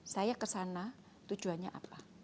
saya ke sana tujuannya apa